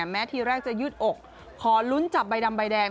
แม้ทีแรกจะยืดอกขอลุ้นจับใบดำใบแดง